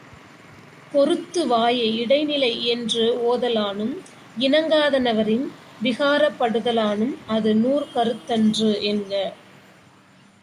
பொருத்து வாயை இடைநிலை யென்றோதலானும், இணங்காதனவரின் விகாரப்படுதலானும், அது நூற்கருத்தன் றென்க!!